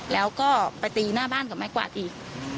แล้วก็ไปตีหน้าบ้านกับไม้กวาดอีก